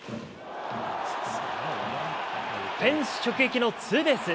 フェンス直撃のツーベース。